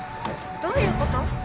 どういうこと？